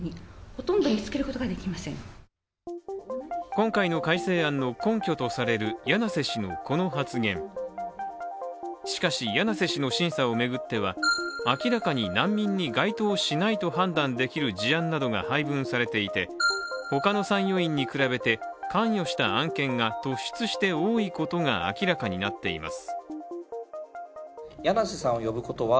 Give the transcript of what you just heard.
今回の改正案の根拠とされる柳瀬氏のこの発言しかし、柳瀬氏の審査を巡っては明らかに難民に該当しないと判断できる事案が配分されていて、他の参与員に比べて関与した案件が突出して多いことが明らかになっています。